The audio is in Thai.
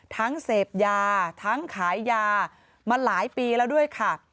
เสพยาทั้งขายยามาหลายปีแล้วด้วยค่ะ